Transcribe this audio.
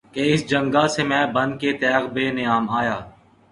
کہ اس جنگاہ سے میں بن کے تیغ بے نیام آیا